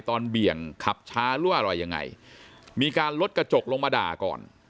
เบี่ยงขับช้าหรือว่าอะไรยังไงมีการลดกระจกลงมาด่าก่อน